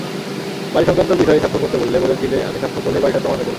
বাড়ি-সংক্রান্ত বিষয়ে স্বাক্ষর করতে বললে, বলেছিলে আমি সাক্ষর করলেই বাড়িটা তোমার হয়ে যাবে।